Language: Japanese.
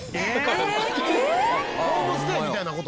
「ホームステイみたいな事？」